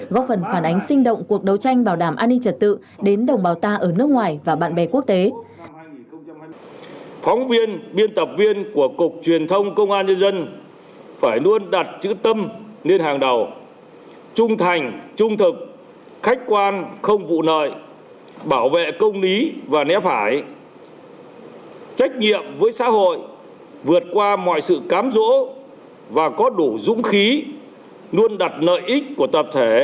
góp phần phản ánh sinh động cuộc đấu tranh bảo đảm an ninh trật tự đến đồng bào ta ở nước ngoài và bạn bè quốc tế